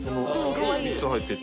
３つ入ってて。